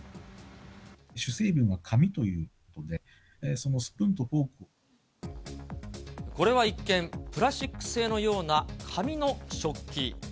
主成分が紙という、そのスプこれは一見、プラスチック製のような紙の食器。